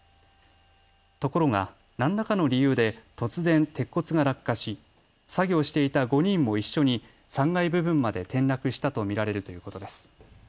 ところが何らかの理由で突然、鉄骨が落下し作業していた５人も一緒に３階部分まで転落したと見られるということです。